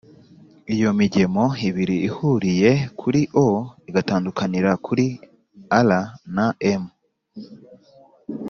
Iyo migemo ibiri ihuriye kuri(o)igatandukanira kuri(r)na(m),